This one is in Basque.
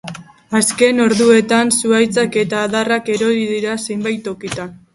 Azken orduetan zuhaitzak eta adarrak erori dira zenbait tokitan.